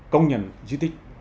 công nhận di tích